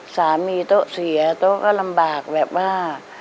โต๊ะเสียโต๊ะก็ลำบากแบบว่า